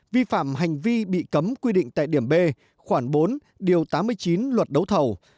vi phạm hành vi bị cấm quy định tại điểm b khoảng bốn điều tám mươi chín luật đấu thầu